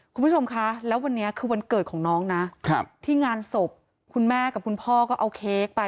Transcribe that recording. คุณผู้ชมคะแล้ววันนี้คือวันเกิดของน้องนะที่งานศพคุณแม่กับคุณพ่อก็เอาเค้กไป